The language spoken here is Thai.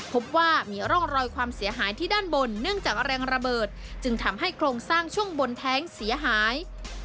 พบว่ามีร่องรอยความเสียหายที่ด้านบนเนื่องจากแรงระเบิดจึงทำให้โครงสร้างช่วงบนแท้งเสียหาย